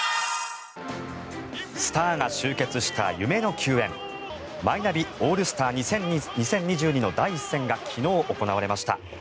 スターが集結した夢の球宴マイナビオールスター２０２２の第１戦が昨日行われました。